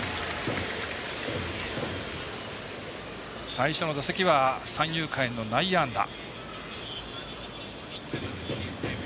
最初の打席は三遊間への内野安打。